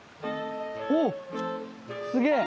おっすげぇ。